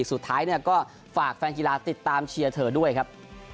สุดท้ายก็ฝากแฟนกีฬาติดตามเชียร์เธอด้วยครับ